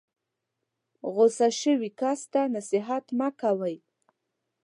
غسه شوي کس ته نصیحت مه کوئ.